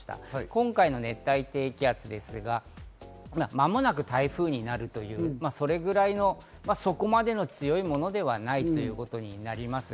今回の熱帯低気圧ですが、間もなく台風になる、そこまでの強いものではないということになります。